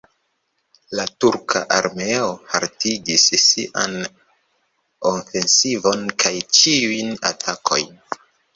La turka armeo haltigis sian ofensivon kaj ĉiujn atakojn.